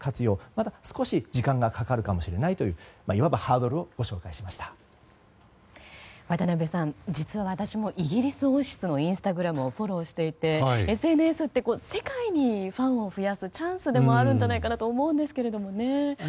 まだ少し時間がかかるかもしれないという渡辺さん、実は私もイギリス王室のインスタグラムをフォローしていてＳＮＳって世界にファンを増やすチャンスでもあるんじゃないかなとも思うんですけれどもね。